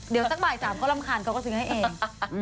เดี๋ยวสักบ่าย๓เขารำคาญเขาก็ซื้อให้เอง